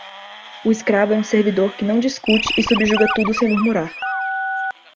O escravo é um servidor que não discute e subjuga tudo sem murmurar.